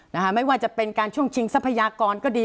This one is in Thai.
ไม่ว่าจะเป็นการช่วงชิงทรัพยากรก็ดี